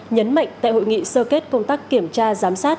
nhấn mạnh tại hội nghị sơ kết công tác kiểm tra giám sát